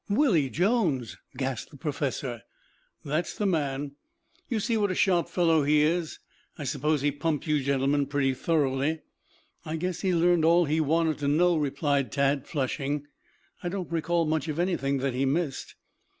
"Willie Jones!" gasped the professor. "That is the man. You see what a sharp fellow he is. I suppose he pumped you gentlemen pretty thoroughly?" "I guess he learned all he wanted to know," replied Tad, flushing. "I don't recall much of anything that he missed."